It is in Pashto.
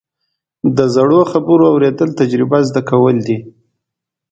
د زړو خبرو اورېدل، تجربه زده کول دي.